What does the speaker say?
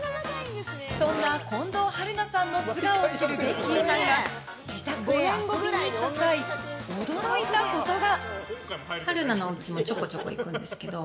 そんな近藤春菜さんの素顔を知るベッキーさんが自宅へ遊びに行った際驚いたことが。